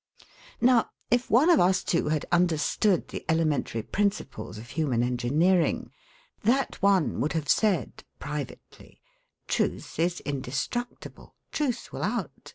Now, if one of us two had understood the elementary principles of human engineering, that one would have said (privately): 'Truth is indestructible. Truth will out.